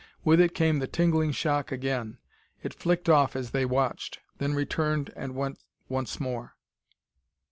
With it came the tingling shock again. It flicked off as they watched, then returned and went once more.